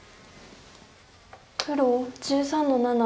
黒１３の七。